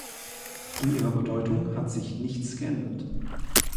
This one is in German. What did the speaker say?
An ihrer Bedeutung hat sich nichts geändert.